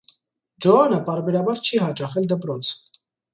Ջոանը պարբերաբար չի հաճախել դպրոց։